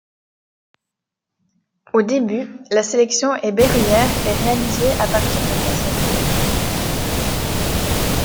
Au début, la sélection est berruyère et réalisée à partir de cassettes.